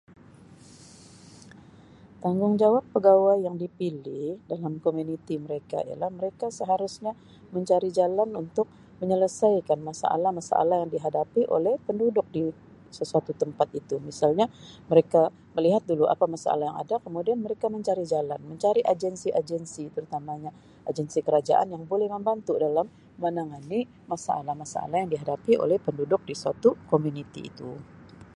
Tanggungjawab pegawai yang dipilih dalam komuniti mereka ialah mereka seharusnya mencari jalan untuk menyelesaikan masalah-masalah yang dihadapi oleh penduduk di sesuatu tempat itu misalnya mereka melihat dulu apa masalah yang ada kemudian mereka mencari jalan mencari agensi agensi terutamanya agensi kerajaan yang boleh membantu dalam menangani masalah-masalah yang dihadapi oleh penduduk di suatu komuniti itu.